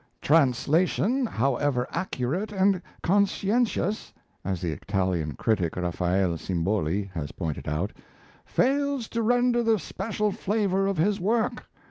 "Translation, however accurate and conscientious," as the Italian critic, Raffaele Simboli, has pointed out, "fails to render the special flavour of his work.